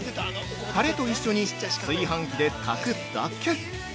タレと一緒に炊飯器で炊くだけ。